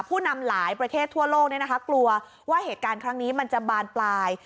ผู้นำหลายประเทศทั่วโลกกลัวว่าเหตุการณ์ครั้งนี้มันจะบานปลาย